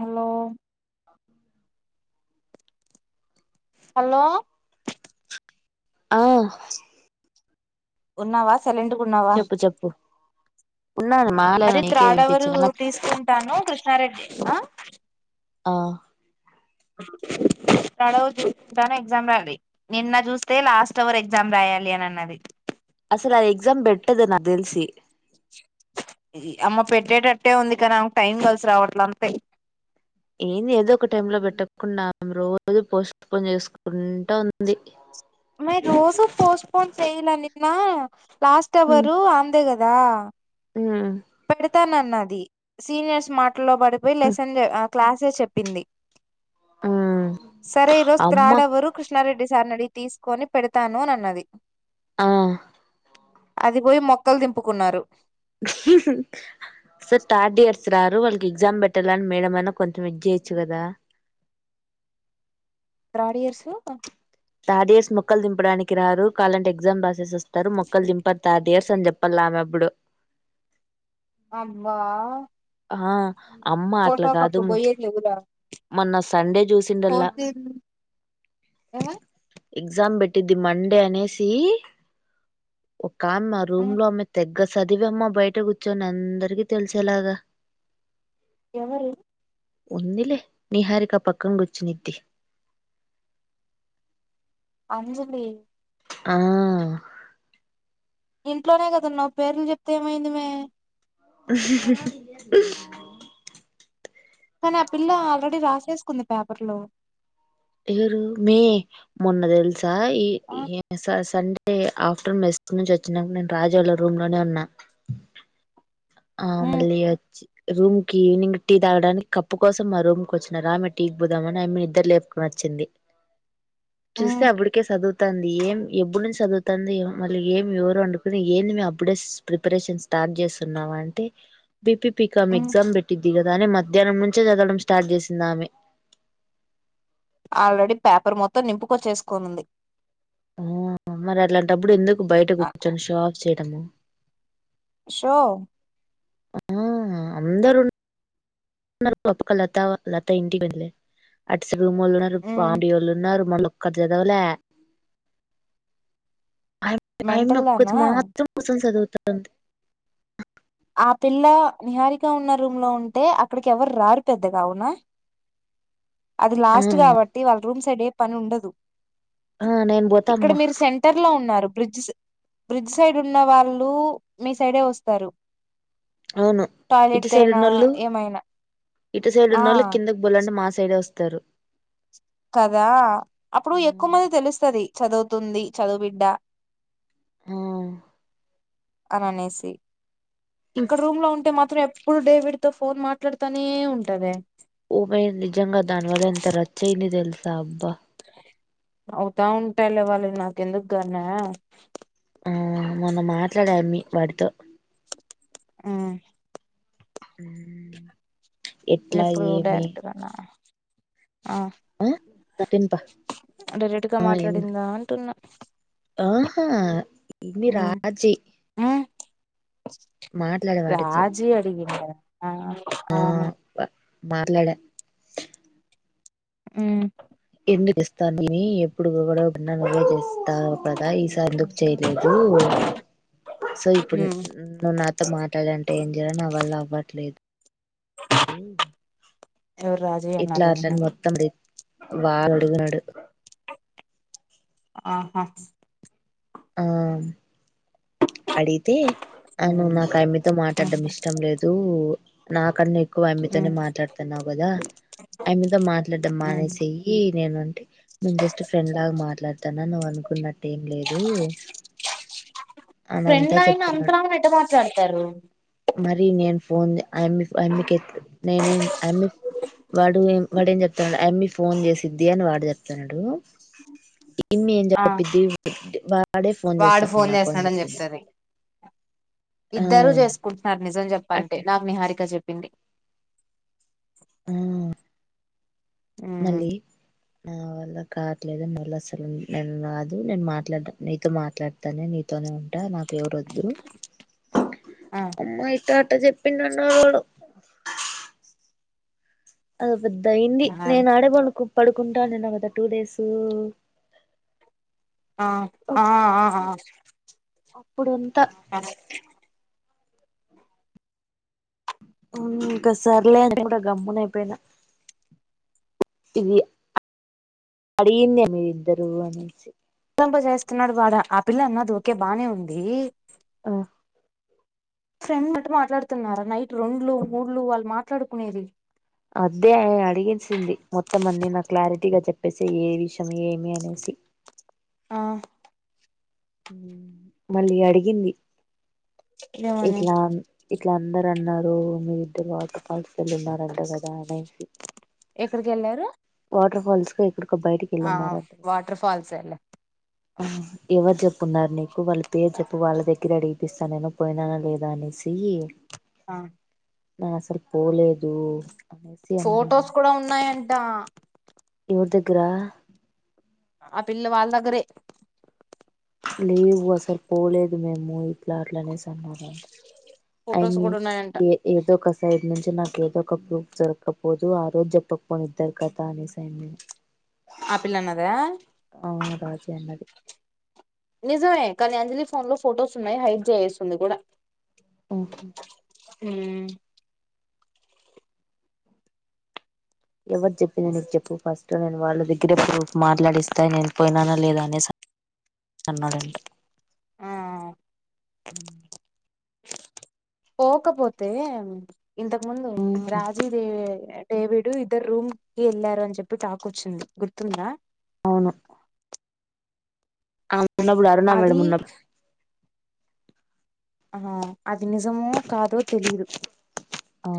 Hello అ hello ఆ ఉన్నావా సైలెంట్ గా ఉన్నావా చెప్పు చెప్పు ఉన్నాను మాట్లాడిన అది నీకే త్రాడవరు వినిపించిన నాకు తీసుకుంటాను కృష్ణారెడ్డి ఆ ఆ సడవు చూను ఎగ్జామ్ రాలి నిన్న చూస్తే లాస్ట్ అవర్ ఎగ్జామ్ రాయాలి అని అన్నది. అసలు అది ఎగజామ్ బెట్ ఆమె పెట్ట అట్టే ఉంది కానీ ఆమెకు టైం కలిసి రావట్లే అంతే ఏంది ఏదో ఒక టైం లో పెట్టకు కుండా రోజు పోస్టుపోన్ చేసుకుంటా ఉంది అమ్మాయి రోజు పోస్ట్పోన్ చేయలా నిన్న లాస్ట్ ఉమ్ అవరు ఆమ్ందే గద రా ఉమ్ పెడు తా నన్నది సీనియర్స్ మా లో పడిపోయి లెసన్ లే క్లాసే చెప్పింది ఉమ్. సరే ఈరోజు అమ్మ త్రాడవరు కృష్ణారెడ్డి సార్ నీ అడిగి తీసుకొని పెడతాను అని అన్నది ఆ అది పోయి మొక్కలు దింపుకున్నారు థర్డ్ ఇయర్ రారు వాళ్ళకి ఎగ్జామ్ పెట్టాలని మేడం అన్న కొంచెం ఇచ్చేయొచ్చు కదా త్రాడ్ ఇయర్స్ థర్డ్ ఇయర్స్ మొక్కలు దింపడానికి రారు కాలంటే ఎగ్జామ్ రాసేస్ వస్ స్తారు మొక్కల్దింపర్ థర్డ్ ఇయర్ ర్స్ అని చెప్పాలా ఆమె అప్పుడు అబ్బా ఆ అమ్మ అట్లా ఫోటోకి కాదు అప్పుడు పోయేది లేవురా మొన్న సండే చూసిండల్లా ఫోర్త్ ఏమ ఎగ్జామ్ పెట్టిద్ది మండే అనేసి ఓ కామ్ మా రూమ్ లో ఆమె తెగ్గ చదివమ్మ బయట కూర్చొని అందరికీ తెలిసేలాగా ఎవరు ఉందిలే నిహారిక పక్కన కూర్చున్ది అంజలి ఆ ఇంట్లోనే కదా ఉన్నావ్ పేర్లు చెప్తే ఏమైంది మే [inaudible] కానీ ఆ పిల్లా ఆల్రెడీ రాసేసుకుంది పేపర్ లో ఇరు మే మొన్న తెల్స్ సా ఈ ఆ, య స సండే అంటే ఆఫ్టర్నూన్ మెస్ నుంచి వోచిన్నంక నేను రాజోళ్ళ రూమ్ లోనే ఉన్నా ఆ ఉమ్, మళ్ళీ వచ్చి రూమ్ కి ఈవినింగ్ టీ తాగడానికి కప్పు కోసం మా రూమ్ కోచ్చినారు ఆమె టీకి పోదామని ఆమె ఇద్దరు లేపుకోనోచ్చింది చూస్తే ఉమ్, అప్పుడికే సదు తంది ఏం ఎప్పుడు నుంచి చదువుతంది మళ్ళీ ఏం ఎవరు అండుకోని ఏ ఏంది మే అప్పుడే ప్రిపరేషన్ స్టార్ట్ చేస్తుం న్నావా అంటే బి పి పి కామ్ ఉమ్. ఎక్సామ్ పెట్టింది దిగదానే మధ్యాహ్నం నుంచే చదవడం స్టార్ట్ చేసింది ఆమె ఆల్రెడీ పేపర్ మొత్తం నింపుకొచ్చేసుకోనుంది ఆ మరి అట్లాంటప్పుడు ఎందుకు బయట ఆ, కూర్చొని షో ఆఫ్ చేయడము సో ఆ అందరు ఉన్నారు పక్కా లత లత ఇంటికి వెళ్లే అట్ రూమొల్లున్నారు ఉమ్, పానియోళ్ళునారు మల్ కదు చాదవలే ఆ అయమ్మి మెంటల్ ఒకత్తి దానా కుసోని మాత్రం సదువు అంతె ఆ పిల్ల నిహారిక ఉన్న రూమ్ లో ఉంటే, అక్కడికి ఎవరు ర్రారు పెద్దగా అవునా. అది ఆ లాస్ట్ గాబట్టి వాళ్ళ రూమ్స్ క్కడే పనుండదు ఆ నేను ఇక్కడ పోతామ్మా మీరు సెంటర్ లో ఉన్నారు. బ్రిడ్జ్ స్ బ్రిడ్జ్ సైడున్న వాళ్ళు మీ సైడే ఒస్తారు. అవును ఇటు సైడ్ ఉన్నోళ్ళు, ఏమైనా ఇటు సైడ్ ఆ ఉన్నళ్ళు కిందకి బోలంటె మాస్ సైడోస్తరు. కదా అప్పుడు ఎక్కువ మంది తెలుస్తది. చదువుతుంది చదువుబిడ్డ ఆ అననేసి ఇక్కడ రూమ్ లో ఉంటే మాత్రం ఎప్ ఎప్పుడు డేవిడ్ తో ఫోన్ మాట్లాడతనే ఉంటది. ఒమె నిజంగా దానివల్ల ఎంత రచ్చయింది తెల్స్ దబ్బా అవుతా ఉంటాయ్లే వాల్లది నాకెన్దుకుగ్గానీ ఆ మొన్న మాట్ ట్లాడమ్ మీ వాడితో ఆ ఎట్లా ఎప్పుడు ఏమి డైరెక్ట్ గానా? ఆ తినుపా డైరెక్ట్ గా ఆ ఎందు మాట్లాడిందా అంటున్నా. ఆహా! ఇ న్ని ఉమ్ రాజీ ఉమ్ మాట్లాడే వాడితో రాజీ అడిగిండా? ఆ ఆ మాట్లాడ ఉమ్ ఎందుకిస్తాంటివి ఎప్ ఎప్పుడు గొడవ పడినా నువ్వే చేస్తావ్ కదా? ఈసారి ఎందుకు చేయలేదు. ఉహు. సో ఇప్పుడు న్ ఉమ్ న్ నువ్ నాతో మాట్లాడం ఏం జేయాలె నా వల్లవ్వట్లేదు ఎవరు రాజీ ఇట్లా అన్నారేమో అట్లని మొత్తం రేప్ వారడుగునడు ఆహా ఆ అడిగితే ఉమ్ అయిన నాకు ఆయమ్మేతో ఉమ్ మాట్లాడడం ఇష్టం లేదు నాకన్ని క్కువ ఉమ్ ఆమ్మేతోనే మాట్లాడుతున్నావు కదా ఆమ్మేతో మాట్లాడం ఉమ్ మానేసేయ్యి నేను నీకు మేము జస్ట్ ఫ్రెండ్ లాగా మాట్లా తన్నా నువ్ అనుకున్నట్టు ఏం లేదు దు ఫ్రెండ్ అయిన అంతగాన ఎట్ట మాట్లాడతారు మరి నేను ఫోన్ ఆ అమ్మి ఆ అమ్మికే నేనే అమ్మి వాడు వాడేం చెప్తాన్నాడు ఆ అమ్మి ఫోన్ చేసిద్ది అని వాడు చెప్తాన్నాడు పిన్నీ ఏం ఆ జెప్పిద్ది వాడే ఫోన్ వాడు చేస్తాడు ఫోన్ నాకు అని జెప్పిది ఇద్దరూ చేసుకుంటున్నారు నిజం అట్ చెప్పాలంటే నాకు నిహారిక చెప్పింది ఆ మ్మ్ మళ్ళీ నా వల్ల కాట్లేదు మళ్ళ అసలు నేను రాదు నేను మాట్లాడ నీతో మాట్లాడతానే నీతోనే ఉంటా నాక్ ఎవరొద్దు ఆ టాటా చెప్పిడన్నావుగద ఆ పదైంది నేను ఆడే పండుకో పడుకుంటా నన్నావ్ కదా టూ డేసు ఆ ఆ ఆ ఆ అప్పుడంతా ఆ ఇంకా సర్లే అని కూడా గమ్మున అయిపోయిన ఇది అడిగింద మీరిద్దరు అనేసి పంప చేస్తున్నాడు వాడ ఆ పిల్ల అన్నది ఓకే బాగానే ఉంది ఆ ఫ్రెండ్ అంట మాట్లాడుతున్నారా నైట్ రెండ్లు మూడులు వాళ్ళు మాట్లాడుకునేది అదే అడిగిచ్చింది మొత్తం అన్నీ నా క్లారిటీగా చెప్ ప్పేసేయ్ ఏ విషయం ఏమి అనేసి ఆ మళ్ళీ అడిగింది ఏమని ఇట్ల అందరు అన్నారు మీ ఇద్దరు అట్ల ఫాస్ వెళ్ళిన్నంట కదా అనేసి ఎక్కడికి వెళ్ళారు వాటర్ ఫాల్స్ కు ఎక్కడికో బయటికి ఆ వాటర్ ఫాల్స్ ఎల్లా ఎవరి చెప్ న్నారు నీకు వాళ్ళ పేరు చెప్పు వాళ్ళ దగ్గర అడిగిపిస్తానేో పోయినానా లేదా అనేసి. ఆ నా అసలు పోలేదు అనేసి ఫొోటోస్ అన్నారంట కూడా ఉన్నాయం ట ఎవరి దగ్గరా ఆ పిల్లలు వాళ్ళ దగ్గరే లీవ్ అసలు పోలేదు మేము ఇట్లా అట్లనేసి అన్నంట అఐ ఫొటోస్ మీ కూడా ఉన్నాయంట ఏ ఏదో కస ఇటి నుంచి నాకు ఏదో ఒక ప్రూఫ్ దొరకపోదు ఆ రోజు చెప్పకపోనిద్దరు కదా అనే సా నేను. ఆపిల్ అన్నదా మ రాజ అన్నది నిజమే కానీ అంజలి ఫోన్ లో ఫొటోస్ ఉన్నాయి హైడ్ చేయేస్తుంది కూడా. ఓహో హ ఎవరు చెప్పినా నీకు చెప్పు ఫస్ట్ నేను వాళ్ళ దగ్గరే ప్రూఫ్ మాట్లాడిస్తా నేను పోయినానా లేదా అనే అన్నాదంట. ఆ అ పోకపోతే ఇంతకు ముందు రాజీ దేవి దడేవిడు ఇద్దరు రూమ్ కి వెళ్లారు అని చెప్పి టాక్ వచ్చింది గుర్తుందా. అవును అవు ఉన్నప్పుడాారు నా అది మేడం ఉన్న. ఆ అది నిజమో కాదో తెలీదు ఓ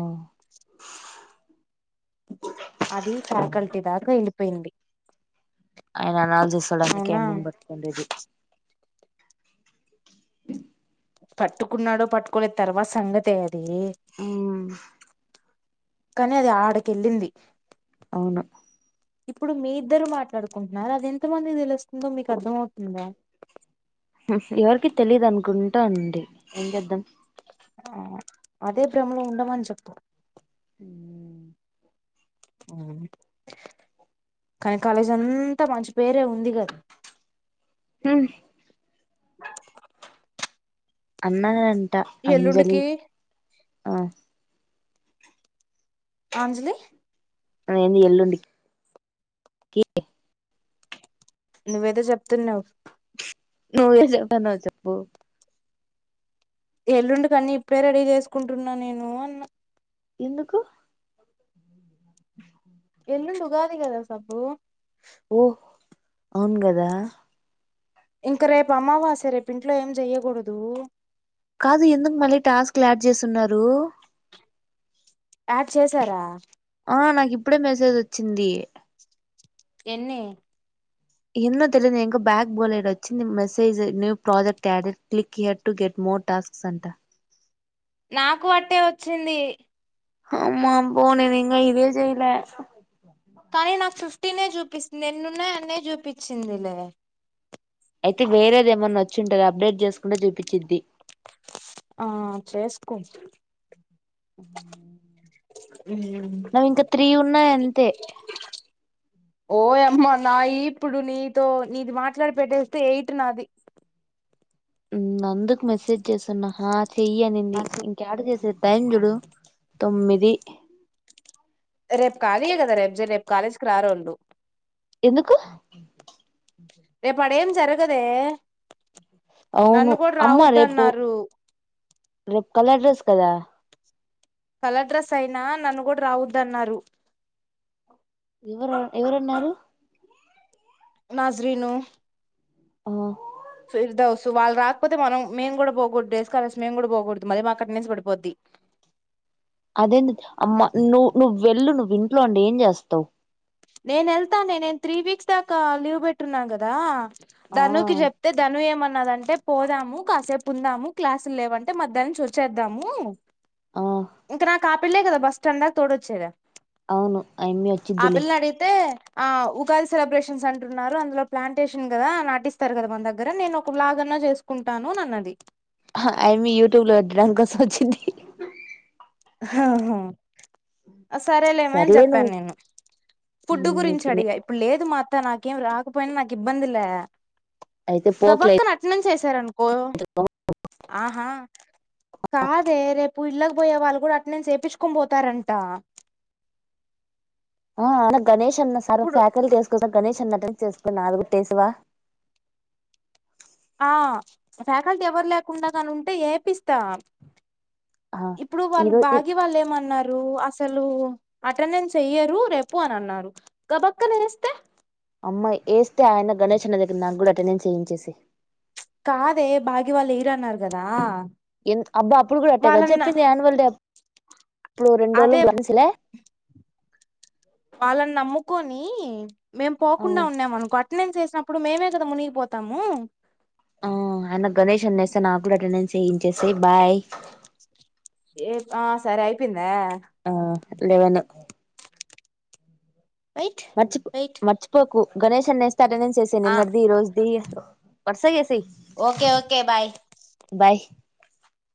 అది ఫ్యాకల్టీ దాకా వెళ్ళిపోయింది. అయనా న సొడనికి అవునా ఎమ్మన్ బట్కంది పట్టుకున్నాడో పట్టుకునే తర్వాత సంగతి అయ్యదు. అ కాని అది ఆడికెళ్ళింది అవును ఇప్పుడు మీ ఇద్దరు మాట్లాడుకుంటున్నారు అది ఎంతమంది తెలుస్తుందో మీకు అర్ధ అవుతుందా. ఎవరికి తెలీదు అనుకుంటా అండి ఏం చేద్దాం. ఆ అదే భ్రమలో ఉండమని చెప్తాం కానీ కాలేజ్ అంతా మంచి పేరే ఉంది కదా హ అన్నా అ అంజలి ఎల్లుండికి ఆ అంజలి అ ఎంది ఎల్లుండ నువ్వేదో చెప్తున్నావు నువ్వే చెప్తన్నావ్ చెప్పు ఎల్లుండుకన్నీ ఇప్పుడే రెడీ చేసుకుంటున్నా నేను అన్న ఎందుకు ఎల్లుండు ఉగాది కదా సబ్బు ఓహ్ అవును కదా ఇంక రేపు అమ్మవాసే రేపుంట్లో ఏం చెయ్యకూడదు కాదు ఎందుకు మళ్ళీ టాస్క్లాడ్ చేస్తున్నారు యాడ్ చేసారా ఆ నాకు ఇప్పుడే మెసేజ్ వచ్చింది ఎన్ని ఎన్నో తెలిదు ఎంకా బ్యాక్ బౌల్డ్ వచ్చి మెసేజ్ న్య్ project added click here to get more tasks అంట నాకు అట్టే వచ్చింది ఆమ పో నేనింగా ఇదే చేయలే కానీ నాకు ఫిఫ్టీనే చూపిస్తుంది ఎన్నున్నాయి అన్న చూపించింది లే చ్చుంటది అప్డేట్ చేసుకుంటె చూపించిద్ది ఆ చేసుకో మ్మ్ నావింక త్రీ ఉన్నాయంతే మా నాయి ఇప్పుడు నీతో నీది మాట్లాడి పెట్టేస్తే ఎయిట్ నాది అందుకు మెసేజ్ చేస్తున్నా హ చెయ్యి అనింది ఇంకాడ చేసేది టైం జూడు తొమ్మిది రేపు కాలీయ కదా రేపు జ రేపు కాలేజీకి రారోళ్లు ఎందుకు రేపు అడ ఏం జరగదే అవును నన్ను కూడా అమ్మా రేపు రావద్దన్నారు రేపు కలర్ డ్రెస్ కదా కలర్ డ్రెస్ అయినా నన్ను కూడా రావద్దన్నారు ఎవరు ఎవరన్నారు నాజ్రీను ఆ ఫిర్ వాళ్ళు రాకపోతే మనం మేము కూడా పోకూడదు డెస్కాలర్స్ మేము కూడా పోకూడదు మళ్ళీ మాకు అటెండెన్స్ పడిపోద్ది అదేంటి అమ్మా నువ్వు నువ్వు వెళ్ళు నువ్వు ఇంట్లో ఉండి ఏం చేస్తావ్ నేను వెళ్తానే నేను త్రీ వీక్స్ దాకా లీవ్ పెట్టున్నాను కదా ఆ ధనుకి చెప్తే ధను ఏమన్ న్నదంటే పోదాము కాసేపు ఉందాము క్లాసులు లేవంటే మధ్యాహ్నం నుంచి వచ్చేద్దాము ఆ ఇంకా నాకు ఆ పిల్లే కదా బస్ స్టాండ్ దాకా తొడుచ్చేద అవును అయమ్మి వచ్చిద్దలే పిల్ల అడిగితే ఆ ఉగాది సెలబ్రేషన్స్ అంటున్నారు అందులో ప్లాంటేషన్ కదా నటిస్తారు కదా మన దగ్గర నేను ఒక బ్లాగ్ అన్నా చేసుకుంటాను అన్నది అయిమ్మీ యూట్యూబ్ లో పెట్టడానికోసం వచ్చింది హహ సరేలేమే అని సర్లే నువ్వు చెప్పాను ఫుడ్డు గురించి నీకు అడిగా ఇప్పుడు లేదు మాత్త నాకేం రాక్ పోయినా నాకు ఇబ్బంది ల్య అయితే పోకులే దబక్కన అటు నుంచి ఎస్ ఇత్తారన్ కో ఆహా కాదే రేప్ పు ఇళ్లకు పోయే వాళ్ళు కూడ అటెండెన్స్ ఎపిచ్చుకోని పోతారంట ఆ అనగ్ గణేష్ అన్న సార్ ఇప్పుడు ఫ్యాకల్టీ ఏసుకుంటే గణేష్ అన్న పిల్స్ ఏసుకున్నా నాది కుట్టేసస్తివా ఆ ఫ్యాకల్టీ ఎవరు లేకుండా గాని ఉంటే ఏపిస్తా ఇప్పుడు ఈ వాళ్ళు రోజు భాగి వాళ్ళు ఏమన్నారు అస్ అసలు అటెండెన్స్ వేయ్యరు రేపు అని అన్నారు గబక్కన ఏస్తే అమ్మాయి వేస్తే ఆయన గణేష్ అన్న దగ్గర నాకు కూడా అటెండెన్స్ వెయించేసేయ్ కాదే బాగీ వాళ్ళు ఎయ్యారు అన్నారు కదా అబ్బా అప్పుడు కూడా అట్టే కదా వాళ్ళన్న చెప్పింది యాన్వల్ డే ఇప్పుడు రెండు రళ్ళ [unintelligible] అదే కూడా మనసులే ఉ మేం పోకుండా ఉన్నామ అనుకో అటెండెన్స్ ఎసినప్పుడు మేమే కదా మునిగిపోతాము ఆ ఆయన గణేష్ వస్తే నాక్కూడా అటెండెన్స్ వేయించేసేయ్ బాయ్ ఆ సరే అయిపోయింది ఆ లేెవను వెయిట్ మర్చిపో వెయిట్ మర్చిపోకు గణేష్ అన్నా వ అటెండెన్స్ ఎసెయ్ ఆ నిన్నటిది ఈ రోజుది వర్సగ chess okay okay bye bye